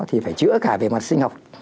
thì phải chữa cả về mặt sinh học